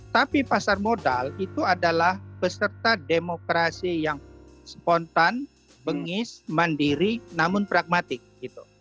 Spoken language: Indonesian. tapi pasar modal itu adalah peserta demokrasi yang spontan bengis mandiri namun pragmatik gitu